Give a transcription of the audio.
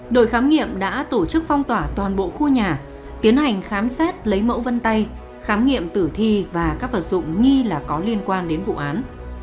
đội khám nghiệm đã tổ chức phong tỏa toàn bộ khu nhà tiến hành khám xét lấy mẫu vân tay khám nghiệm tử thi và các vật dụng nghi là có liên quan đến vụ án